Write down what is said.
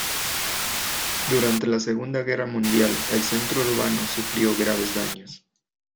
Durante la Segunda Guerra Mundial el centro urbano sufrió graves daños.